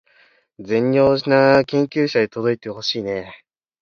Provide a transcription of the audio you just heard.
善良な研究者に届いてほしいねー